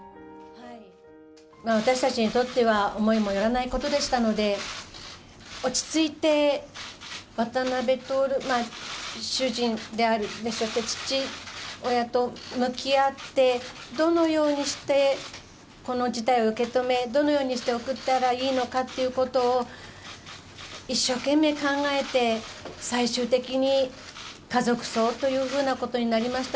私たちにとっては、思いもよらないことでしたので、落ち着いて渡辺徹、主人であり、そして父親と向き合って、どのようにしてこの事態を受け止め、どのようにして送ったらいいのかということを、一生懸命考えて、最終的に家族葬というふうなことになりました。